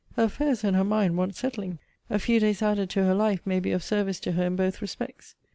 Her affairs and her mind want settling. A few days added to her life may be of service to her in both respects.